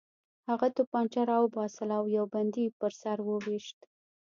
هغه توپانچه راوباسله او یو بندي یې په سر وویشت